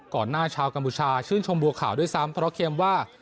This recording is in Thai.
หน้าชาวกัมพูชาชื่นชมบัวขาวด้วยซ้ำเพราะเกมว่า